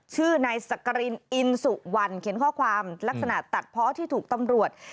ชื่อนายสักกรินอินสุวรรณเขียนข้อความลักษณะตัดเพาะที่ถูกตำรวจ